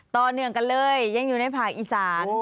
ต่อเนื่องกันเลยยังอยู่ในภาคอีสาน